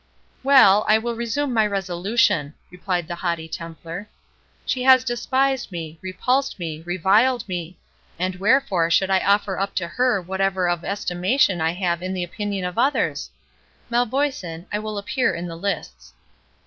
"Well, I will resume my resolution," replied the haughty Templar. "She has despised me—repulsed me—reviled me—And wherefore should I offer up for her whatever of estimation I have in the opinion of others? Malvoisin, I will appear in the lists."